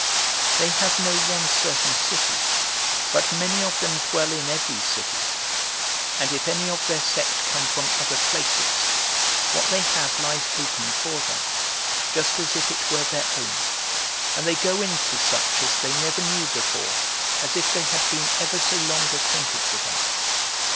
4. They have no one certain city, but many of them dwell in every city; and if any of their sect come from other places, what they have lies open for them, just as if it were their own; and they go in to such as they never knew before, as if they had been ever so long acquainted with them.